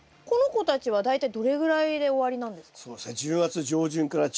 この子たちは大体どれぐらいで終わりなんですか？